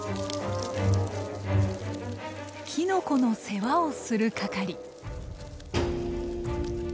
キノコの世話をする係。